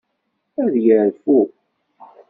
Ad yerfu.